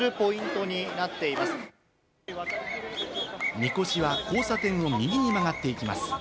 みこしは交差点の右に曲がっていきます。